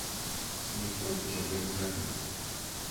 Ніхто нічога не зрабіў.